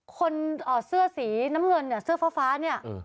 คนเสื้อสีน้ำเหลือนเสื้อฟ้าเนี่ย